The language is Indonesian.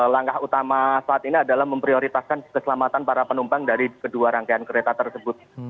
langkah utama saat ini adalah memprioritaskan keselamatan para penumpang dari kedua rangkaian kereta tersebut